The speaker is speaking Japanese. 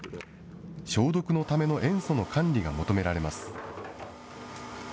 消毒のための塩素の管理が求められます。